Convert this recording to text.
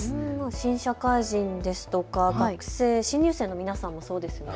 新社会人ですとか、学生、新入生の皆さんもそうですよね。